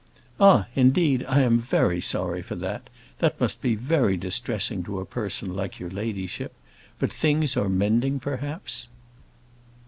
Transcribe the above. "Ah, indeed! I am very sorry for that; that must be very distressing to a person like your ladyship. But things are mending, perhaps?"